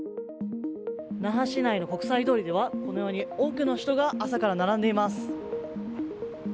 那覇市内の国際通りでは、このように多くの人が朝から並んでいます。